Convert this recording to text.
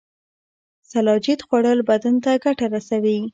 سلاجید خوړل بدن ته ګټه رسوي